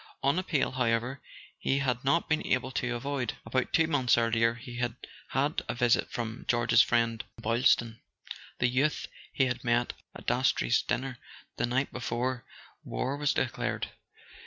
One appeal, however, he had not been able to avoid. About two months earlier he had had a visit from George's friend Boylston, the youth he had met at Dastrey's dinner the night before war was declared.